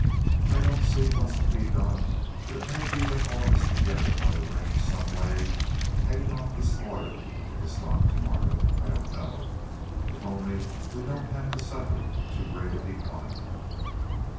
I don't see what's to be done, but it may be that all of us together might arrange some way of heading off the slaughter of the stock to morrow. I don't know. If only we don't have to suffer too great a decline."